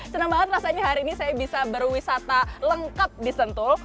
senang banget rasanya hari ini saya bisa berwisata lengkap di sentul